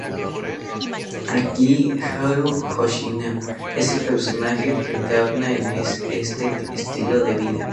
Aquí Haru Hoshino es el personaje que encarna este estilo de vida.